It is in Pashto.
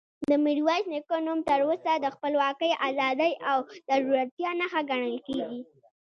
د میرویس نیکه نوم تر اوسه د خپلواکۍ، ازادۍ او زړورتیا نښه ګڼل کېږي.